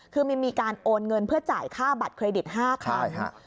คือมีการโอนเงินเพื่อจ่ายค่าบัตรเครดิต๕ครั้ง